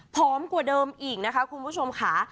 กว่าเดิมอีกนะคะคุณผู้ชมค่ะ